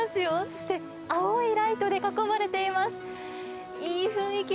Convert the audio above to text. そして青いライトで囲まれています。